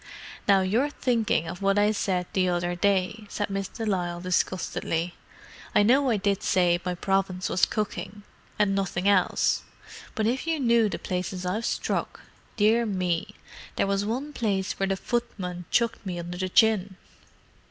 "Now, you're thinking of what I said the other day," said Miss de Lisle disgustedly. "I know I did say my province was cooking, and nothing else. But if you knew the places I've struck. Dear me, there was one place where the footman chucked me under the chin!"